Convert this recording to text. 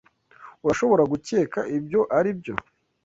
Urashobora gukeka ibyo aribyo?